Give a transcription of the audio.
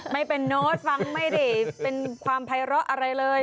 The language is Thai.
ไม่เป็นโน้ตฟังไม่ได้เป็นความไพร้ออะไรเลย